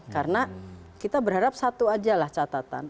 karena kita berharap satu aja lah catatan